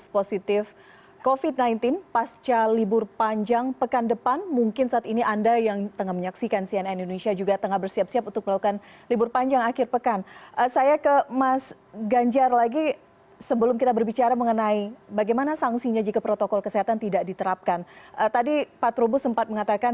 pak trubu sempat mengatakan